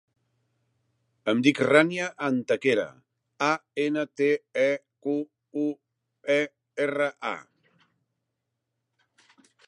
Em dic Rània Antequera: a, ena, te, e, cu, u, e, erra, a.